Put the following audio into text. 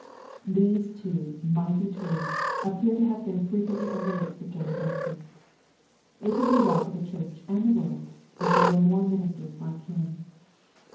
These two mighty truths appear to have been fre quently on the lips of John the Baptist. It would be well for the church and the world, if there were more ministers like him.